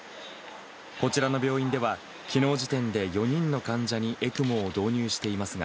こちらの病院は、きのう時点で４人の患者にＥＣＭＯを導入していますが。